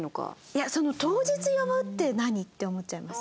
いや当日呼ぶって何？って思っちゃいます。